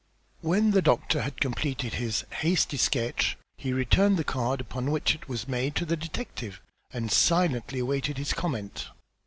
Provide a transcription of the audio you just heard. When the doctor had completed his hasty sketch, he returned the card upon which it was made, to the detective and silently awaited his comment.